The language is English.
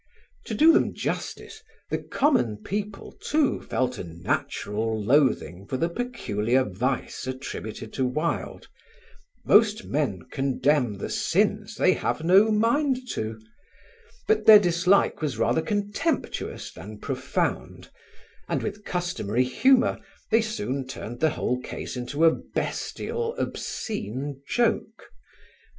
To do them justice, the common people, too, felt a natural loathing for the peculiar vice attributed to Wilde; most men condemn the sins they have no mind to; but their dislike was rather contemptuous than profound, and with customary humour they soon turned the whole case into a bestial, obscene joke.